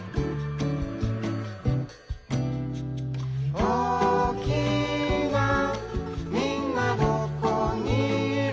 「おおきなみんなはどこにいる？」